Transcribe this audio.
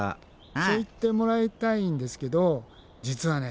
そう言ってもらいたいんですけど実はね